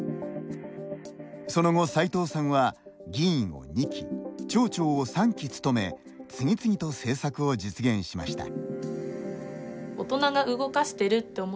その後、齋藤さんは議員を２期、町長を３期務め次々と政策を実現しました。